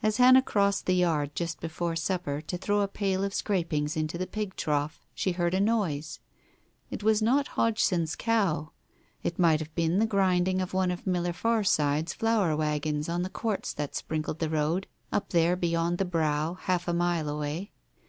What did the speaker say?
As Hannah crossed the yard, just before supper, to throw a pail of scrapings into the pig trough, she heard a noise. It was not Hodgson's cow. ... It might have been the grinding of one of Miller Farsyde's flour wagons on the quartz that sprinkled the road up there Digitized by Google 222 TALES OF THE UNEASY beyond the brow — half a mile away.